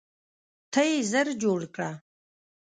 ته یې ژر جوړ کړه.